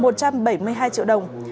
một trăm bảy mươi hai triệu đồng